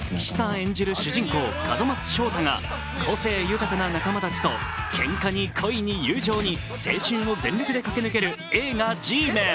演じる門松勝太が個性豊かな仲間たちとけんかに、恋に、友情に青春を全力で駆け抜ける映画「Ｇメン」。